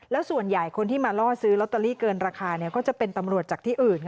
แล้วส่วนใหญ่คนที่มาล่อซื้อลอตเตอรี่เกินราคาก็จะเป็นตำรวจจากที่อื่น